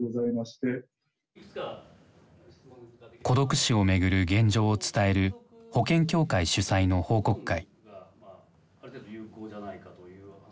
孤独死をめぐる現状を伝える保険協会主催の報告会。